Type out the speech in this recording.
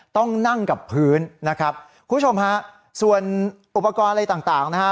ต้องนั่งกับพื้นนะครับคุณผู้ชมฮะส่วนอุปกรณ์อะไรต่างนะฮะ